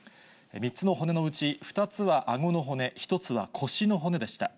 ３つの骨のうち２つはあごの骨、１つは腰の骨でした。